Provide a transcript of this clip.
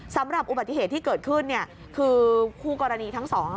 สำหรับอุบัติเหตุที่เกิดขึ้นคือคู่กรณีทั้งสอง